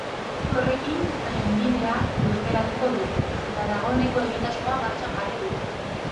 Proiektu horrekin trenbidea lurperatuko dute, eta dagoeneko egitasmoa martxan jarri dute.